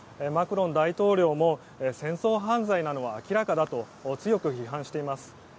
マクロン大統領も戦争犯罪なのは明らかだと強く批判しています。